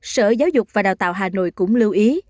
sở giáo dục và đào tạo hà nội cũng lưu ý